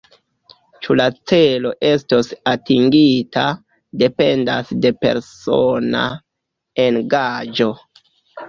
Ĉu la celo estos atingita, dependas de persona engaĝo.